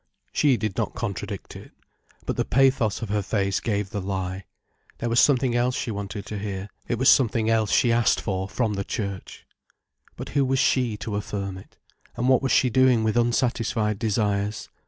She did not contradict it. But the pathos of her face gave the lie. There was something else she wanted to hear, it was something else she asked for from the Church. But who was she to affirm it? And what was she doing with unsatisfied desires?